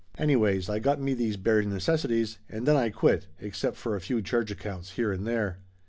Anyways, I got me these bare necessities, and then I quit, except for a few charge accounts here and there.